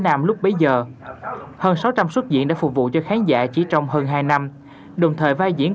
nam lúc bấy giờ hơn sáu trăm linh xuất diễn đã phục vụ cho khán giả chỉ trong hơn hai năm đồng thời vai diễn